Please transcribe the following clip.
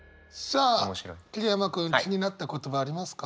さあ桐山君気になった言葉ありますか？